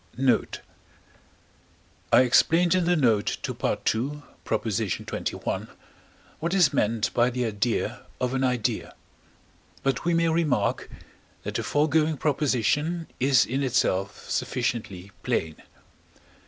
Note. I explained in the note to II. xxi. what is meant by the idea of an idea; but we may remark that the foregoing proposition is in itself sufficiently plain.